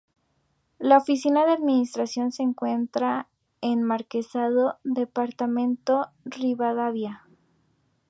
La oficina de administración se encuentra en Marquesado, departamento Rivadavia.